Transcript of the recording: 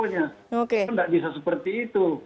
kan tidak bisa seperti itu